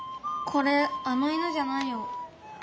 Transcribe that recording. これあの犬じゃないよ。